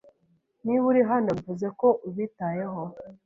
Niba uri hano, bivuze ko ubitayeho.